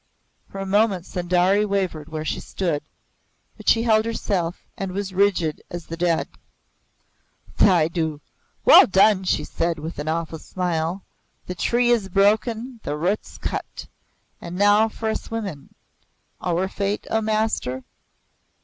For a moment Sundari wavered where she stood, but she held herself and was rigid as the dead. "Tha du! Well done!" she said with an awful smile. "The tree is broken, the roots cut. And now for us women our fate, O master?"